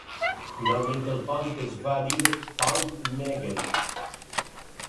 Finalment el pont es va dir pont Megyeri.